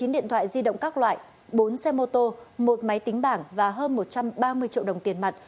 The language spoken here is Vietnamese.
một mươi điện thoại di động các loại bốn xe mô tô một máy tính bảng và hơn một trăm ba mươi triệu đồng tiền mặt